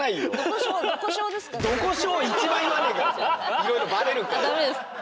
いろいろばれるから。